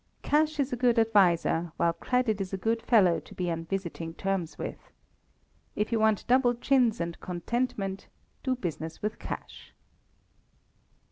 Cash is a good adviser, while credit is a good fellow to be on visiting terms with. If you want double chins and contentment, do business with cash.